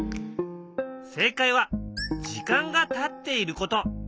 正解は時間がたっていること。